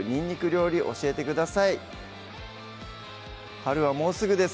春はもうすぐです